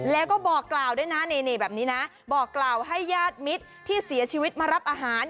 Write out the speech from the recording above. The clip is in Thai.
แล้วก็บอกกล่าวด้วยนะนี่แบบนี้นะบอกกล่าวให้ญาติมิตรที่เสียชีวิตมารับอาหาร